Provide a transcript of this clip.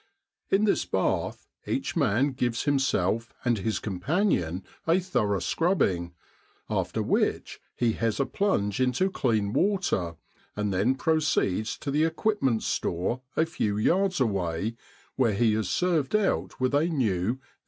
In this bath, each man gives himself and his com panion a thorough scrubbing, after which he has a plunge into clean water, and then proceeds to the equipment store, a few yards away, where he is served out with a new E.